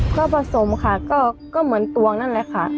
ก็ผสมค่ะก็เหมือนตวงนั่นแหละค่ะ